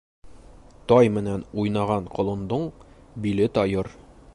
Тай менән уйнаған ҡолондоң биле тайыр.